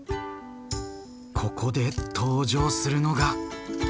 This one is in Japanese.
ここで登場するのが！